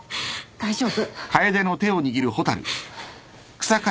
大丈夫。